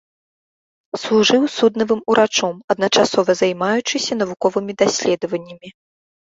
Служыў суднавым урачом, адначасова займаючыся навуковымі даследаваннямі.